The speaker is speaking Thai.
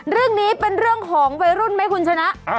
เรื่องนี้เป็นเรื่องของวัยรุ่นไหมคุณชนะ